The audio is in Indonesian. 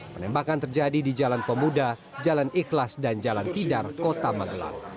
penembakan terjadi di jalan pemuda jalan ikhlas dan jalan tidar kota magelang